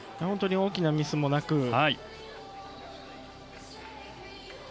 本当に大きなミスもなく。